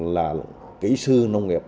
là kỹ sư nông nghiệp